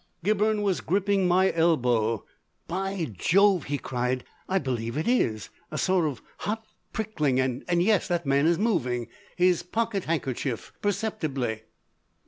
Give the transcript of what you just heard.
Gibberne was gripping my elbow. "By Jove!" he cried. "I believe it is! A sort of hot pricking and yes. That man's moving his pocket handkerchief! Perceptibly.